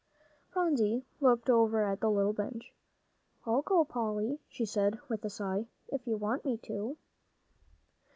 Phronsie looked over at the little bench. "I'll go, Polly," she said with a sigh, "if you want me to."